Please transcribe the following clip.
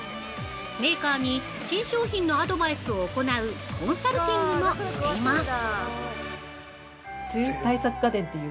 メーカーに新商品のアドバイスを行うコンサルティングもしています。